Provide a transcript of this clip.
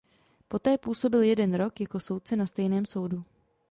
Poté působil jeden rok jako soudce na stejném soudu.